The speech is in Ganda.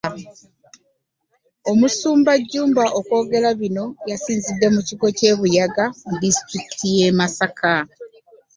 Omusumba Jjumba okwogera bino yasinzidde mu kigo ky’e Buyaga mu disitulikiti y’e Masaka